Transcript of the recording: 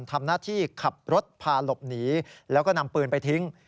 ทำหน้าที่ขับรถพาหลบหนีแล้วก็นำปืนไปทิ้ง